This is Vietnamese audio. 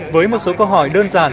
với một số câu hỏi đơn giản